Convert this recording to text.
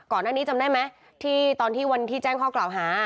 ก่อนหน้านี้จำได้ไหมที่ตอนที่วันที่แจ้งข้อกล่าวหา